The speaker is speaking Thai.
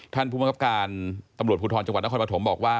ผู้บังคับการตำรวจภูทรจังหวัดนครปฐมบอกว่า